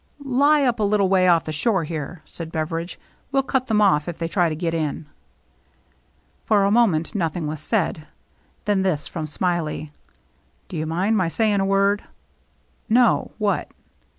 "Lie up a little way off the shore here," said Beveridge; "we'll cut them off if they try to get in." For a moment nothing was said ; then this from Smiley, " Do you mind my saying a word ?" "No. What?"